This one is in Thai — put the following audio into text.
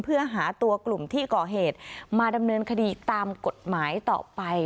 เพื่อหาตัวกลุ่มที่ก่อเหตุมาดำเนินคดีตามกฎหมายต่อไป